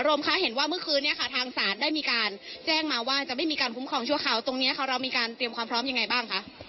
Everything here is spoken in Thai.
ค่ะเห็นว่าเมื่อคืนนี้ค่ะทางศาลได้มีการแจ้งมาว่าจะไม่มีการคุ้มครองชั่วคราวตรงนี้ค่ะเรามีการเตรียมความพร้อมยังไงบ้างคะ